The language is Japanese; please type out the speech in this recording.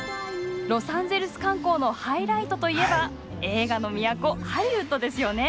ロサンゼルス観光のハイライトといえば映画の都ハリウッドですよね。